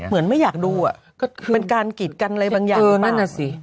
เหมือนไม่อยากดูเป็นการกิจกันอะไรบางอย่าง